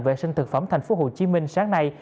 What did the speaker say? vệ sinh thực phẩm tp hcm sáng nay